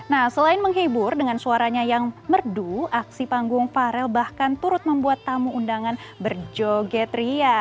nah selain menghibur dengan suaranya yang merdu aksi panggung farel bahkan turut membuat tamu undangan berjoget ria